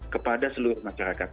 kepada seluruh masyarakat